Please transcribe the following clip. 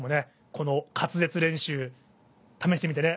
この滑舌練習試してみてね。